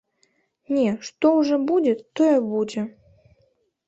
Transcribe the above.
Не, што ўжо будзе, тое будзе.